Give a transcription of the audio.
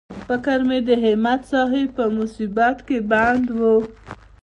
فکر مې د همت صاحب په مصیبت کې بند و.